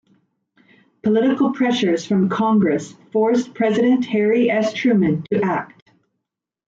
Political pressures from Congress forced President Harry S. Truman to act.